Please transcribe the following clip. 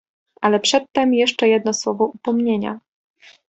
"Ale przedtem jeszcze jedno słowo upomnienia!"